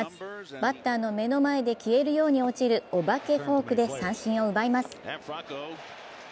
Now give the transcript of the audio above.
バッターの目の前で消えるように落ちる、お化けフォークで三振を奪います。